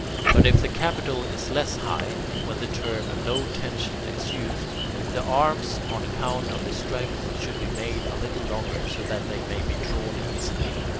But if the capital is less high, when the term "low tensioned" is used, the arms, on account of their strength, should be made a little longer, so that they may be drawn easily.